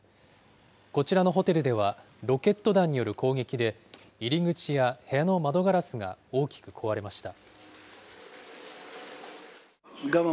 こちらのホテルでは、ロケット弾による攻撃で、入り口や部屋の窓ガラスが大きく壊れました。